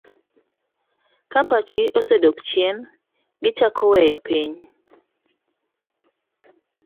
Ka pachgi osedok chien, gichako weyo piny.